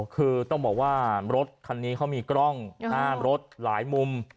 คือต้องบอกว่ารถคันนี้เขามีกล้องหน้ารถหลายมุม